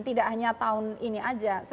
setiap tahun ini saja